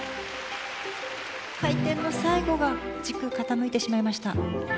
回転の最後は軸が傾いてしまいました。